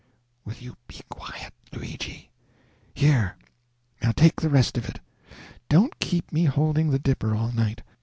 Will you be quiet, Luigi! Here, now, take the rest of it don't keep me holding the dipper all night.